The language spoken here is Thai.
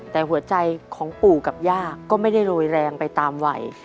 แต่หัวใจของปู่กับย่าก็ไม่ได้โรยแรงไปตามวัย